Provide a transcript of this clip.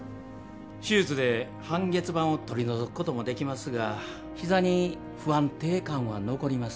手術で半月板を取り除くこともできますがひざに不安定感は残ります